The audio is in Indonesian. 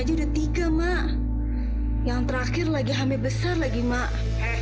juga tiga mak yang terakhir lagi hamil besar lagi mak leha leha